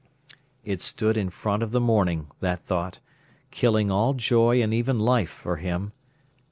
It stood in front of the morning, that thought, killing all joy and even life, for him.